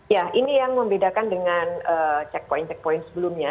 ya ini yang membedakan dengan checkpoint checkpoint sebelumnya